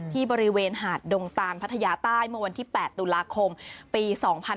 ที่บริเวณหาดดงตานพัทยาใต้เมื่อวันที่๘ตุลาคมปี๒๕๕๙